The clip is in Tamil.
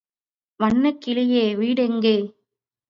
வண்ணக் கிளியே, வீடெங்கே?